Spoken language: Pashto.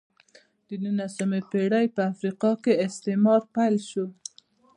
د نولسمې پېړۍ په افریقا کې استعمار پیل شو.